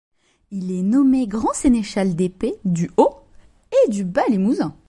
Il est nommé grand sénéchal d'épée du haut et du bas Limousin.